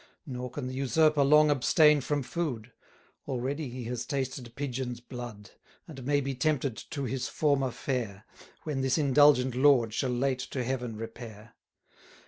Nor can the usurper long abstain from food; 1280 Already he has tasted Pigeons' blood: And may be tempted to his former fare, When this indulgent lord shall late to heaven repair.